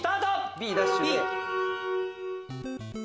Ｂダッシュで。